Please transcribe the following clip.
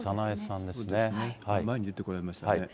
前に出てこられましたね。